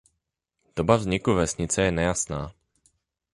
Doba vzniku vesnice je nejasná.